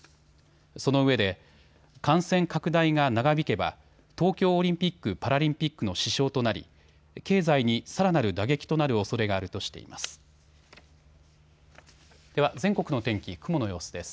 そのうえで感染拡大が長引けば東京オリンピック・パラリンピックの支障となり経済にさらなる打撃となるおそれがあるとしています。